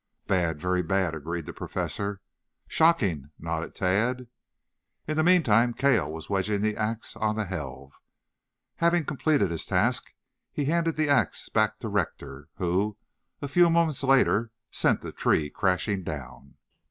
"Bad, very bad," agreed the Professor. "Shocking," nodded Tad. In the meantime Cale was wedging the axe on the helve. Having completed his task he handed the axe back to Rector, who, a few moments later, sent the tree crashing down.